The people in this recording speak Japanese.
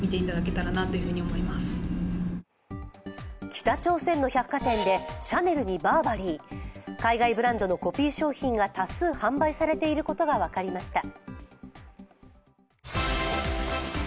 北朝鮮の百貨店でシャネルにバーバリー、海外ブランドのコピー商品が多数販売されていることが分かりました。